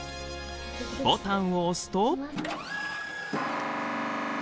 ボタンを押すと。